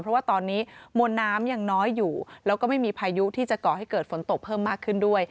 เพราะว่าตอนนี้มวลน้ำยังน้อยอยู่แล้วก็ไม่มีพายุที่จะก่อให้เกิดฝนตกเพิ่มมากขึ้นด้วย